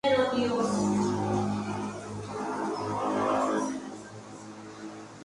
Hasta su muerte vivió en la comarca su nieta la infanta Urraca.